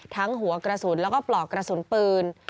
ทั้งหัวกระสุนและปลอกกระสุนปืน